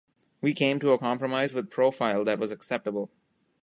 We came to a compromise with Profile that was acceptable.